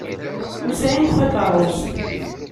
Ur sɛint takeṛṛust.